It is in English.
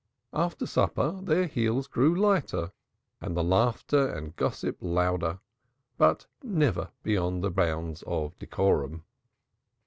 After supper their heels grew lighter, and the laughter and gossip louder, but never beyond the bounds of decorum.